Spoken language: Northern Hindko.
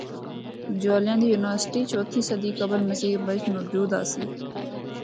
جولیاں دی یونیورسٹی چوتھی صدی قبل مسیح بچ موجود آسی۔